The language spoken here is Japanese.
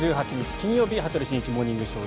金曜日「羽鳥慎一モーニングショー」。